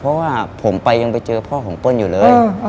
เพราะว่าผมไปยังไปเจอพ่อของเปิ้ลอยู่เลย